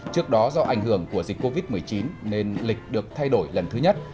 trước đó do ảnh hưởng của dịch covid một mươi chín nên lịch được thay đổi lần thứ nhất